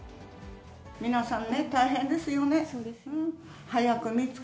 皆さんね、大変ですよね。